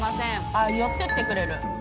ああ寄っていってくれる？